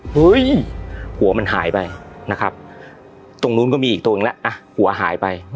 เฮ้ยหัวมันหายไปนะครับตรงนู้นก็มีอีกตรงแล้วอ่ะหัวหายไป